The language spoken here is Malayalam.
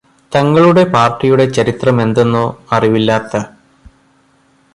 തങ്ങളുടെ പാർടിയുടെ ചരിത്രമെന്തെന്നോ അറിവില്ലാത്ത